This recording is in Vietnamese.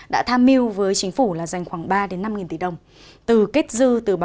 đã tham mưu với chính phủ là dành khoảng ba đến năm nghìn tỷ đồng